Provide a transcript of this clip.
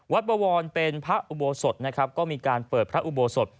บวรเป็นพระอุโบสถนะครับก็มีการเปิดพระอุโบสถ